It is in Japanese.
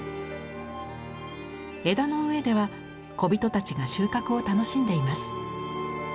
枝の上では小人たちが収穫を楽しんでいます。